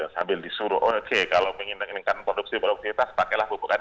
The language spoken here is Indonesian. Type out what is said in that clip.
sambil disuruh oke kalau inginkan produksi beropisitas pakailah pupuk